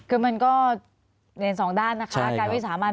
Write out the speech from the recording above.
คือมันก็เรียนสองด้านนะคะการวิสามัน